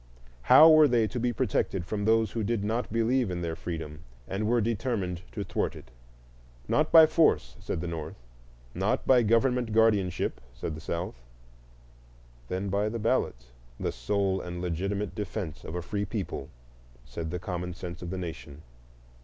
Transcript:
How were they to be protected from those who did not believe in their freedom and were determined to thwart it? Not by force, said the North; not by government guardianship, said the South; then by the ballot, the sole and legitimate defence of a free people, said the Common Sense of the Nation.